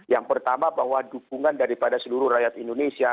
yang pertama bahwa dukungan daripada seluruh rakyat indonesia